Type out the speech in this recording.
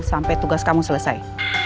sampai tugas kamu selesai